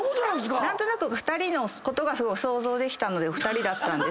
何となく２人のことが想像できたので２人だった。